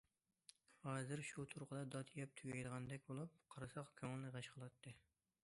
ھازىر شۇ تۇرقىدا دات يەپ تۈگەيدىغاندەك بولۇپ قارىساق كۆڭۈلنى غەش قىلاتتى.